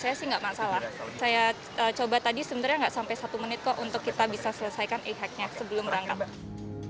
saya coba tadi sebenarnya nggak sampai satu menit kok untuk kita bisa selesaikan e hack nya sebelum berangkat